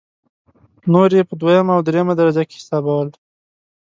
نور یې په دویمه او درېمه درجه کې حسابول.